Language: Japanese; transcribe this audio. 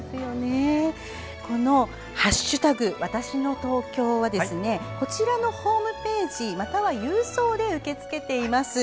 この「＃わたしの東京」はこちらのホームページまたは郵送で受け付けています。